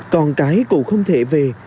còn cái cụ không thể về